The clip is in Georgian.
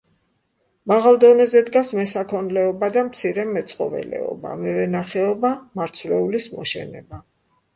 მაღალ დონეზე დგას მესაქონლეობა და მცირე მეცხოველეობა, მევენახეობა, მარცვლეულის მოშენება.